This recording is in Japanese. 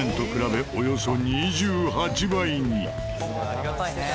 ありがたいね。